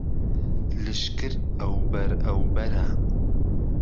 لشکر ئهو بهر ئهو بەره